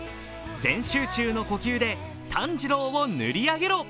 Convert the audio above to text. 全集中の呼吸で炭治郎を塗り上げろ！